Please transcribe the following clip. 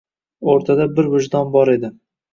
O'rtada bir vijdon bor edi